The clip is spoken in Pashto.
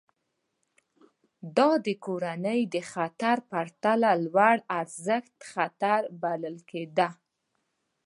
دا د کورنۍ د خطر په پرتله لوړارزښت خطر بلل کېده.